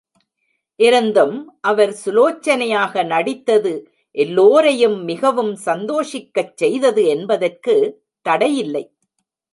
இருந்தும் அவர் சுலோசனையாக நடித்தது எல்லோரையும் மிகவும் சந்தோஷிக்கச் செய்தது என்பதற்குத் தடையில்லை.